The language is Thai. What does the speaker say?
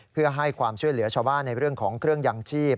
เพื่อให้ความช่วยเหลือชาวบ้านในเรื่องของเครื่องยังชีพ